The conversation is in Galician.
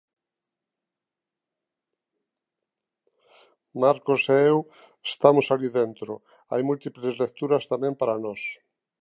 Marcos e eu estamos alí dentro, hai múltiples lecturas tamén para nós.